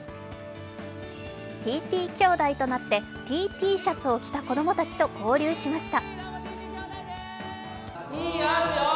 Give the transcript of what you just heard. ＴＴ兄弟となって「Ｔ」Ｔシャツを着た子供たちと交流しました。